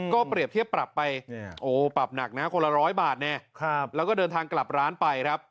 ก็เปรียบเทียบปรับไปปรับหนักนะคนละร้อยบาทแน่แล้วก็เดินทางกลับร้านไปครับ